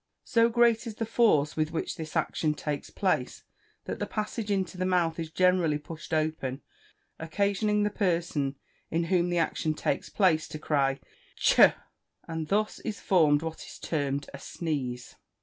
So great is the force with which this action takes place, that the passage into the mouth is generally pushed open occasioning the person in whom the action takes place, to cry "'tsha!" and thus is formed what is termed a sneeze.